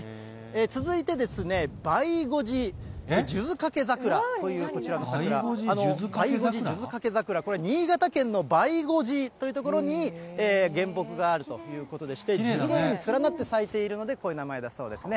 続いてですね、梅護寺数珠掛桜という、こちらの桜、梅護寺数珠掛桜、新潟県の梅護寺という所に原木があるということでして、数珠のように連なって咲いているのでこういう名前だそうですね。